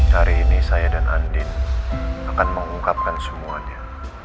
hari ini saya dan andin akan mengungkapkan semuanya